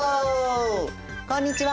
こんにちは。